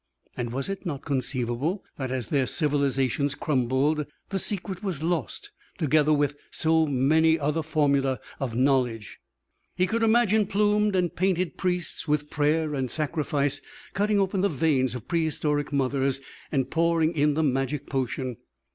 And was it not conceivable that, as their civilizations crumbled, the secret was lost, together with so many other formulæ of knowledge? He could imagine plumed and painted priests with prayer and sacrifice cutting open the veins of prehistoric mothers and pouring in the magic potion.